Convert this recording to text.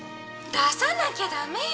出さなきゃダメよ！